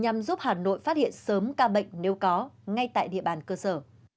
nhằm giúp hà nội phát hiện sớm ca bệnh nếu có ngay tại địa bàn cơ sở